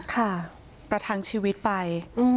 ซื้อน้ำเปล่ามากินประทังชีวิตไป